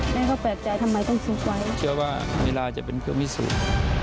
แม่ก็แปลกใจทำไมต้องซุกไว้เชื่อว่านิลาจะเป็นเครื่องพิสูจน์